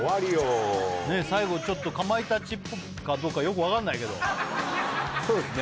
最後ちょっとかまいたちかどうかよく分かんないけどそうですね